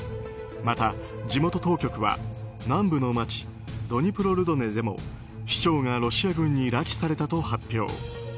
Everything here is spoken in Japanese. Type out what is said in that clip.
また地元当局は、南部の街ドニプロルドネでも市長がロシア軍に拉致されたと発表。